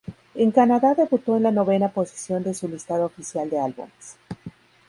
En Canadá debutó en la novena posición de su listado oficial de álbumes.